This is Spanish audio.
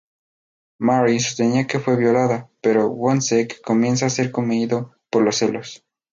Marie sostiene que fue violada, pero Woyzeck comienza a ser comido por los celos.